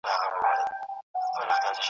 د خوبونو په لیدلو نه رسیږو `